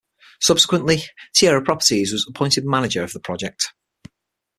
Subsequently Tierra Properties was appointed manager of the project.